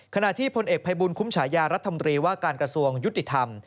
ขณะที่พลเอกภัยบุญคุ้มฉายารัฐมนตรีว่าการกระทรวงยุติธรรม